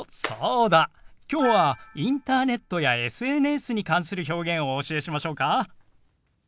そうだきょうはインターネットやＳＮＳに関する表現をお教えしましょうか。